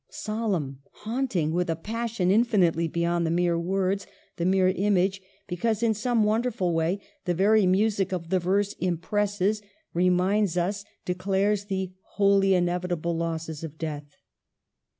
Solemn, haunting with a passion infinitely beyond the mere words, the mere image ; be cause, in some wonderful way, the very music of the verse impresses, reminds us, declares the holy inevitable losses of death.